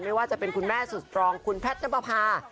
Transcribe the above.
ไม่ว่าจะเป็นคุณแม่สุดสตรองคุณแพทย์น้ำปภา